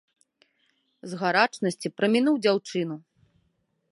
З гарачнасці прамінуў дзяўчыну.